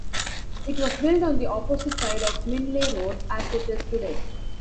It was built on the opposite side of Minley Road as it is today.